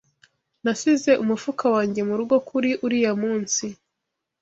Nasize umufuka wanjye murugo kuri uriya munsi